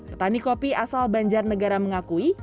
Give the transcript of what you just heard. petani kopi asal banjar negara mengakui